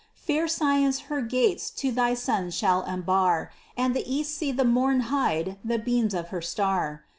Fair science her gates to thy sons shall unbar, And the east see the morn hide the beams of her star.